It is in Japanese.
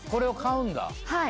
はい。